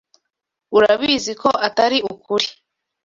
Urabizi ko atari ukuri.